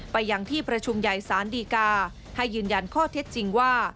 ไปยังที่ประชุมใหญ่ศาลดีกาให้ยืนยันข้อเท็จจริงว่า